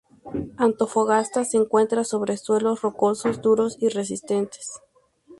Antofagasta se encuentra sobre suelos rocosos, duros y resistentes.